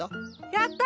やった！